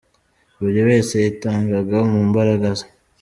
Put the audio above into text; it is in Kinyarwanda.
Buri wese yitangaga mu mbaraga ze.